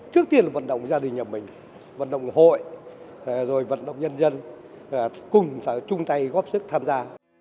trước tiên là vận động gia đình nhà mình vận động hội rồi vận động nhân dân cùng chung tay góp sức tham gia